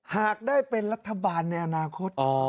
หากได้เป็นรัฐบาลในอนาคต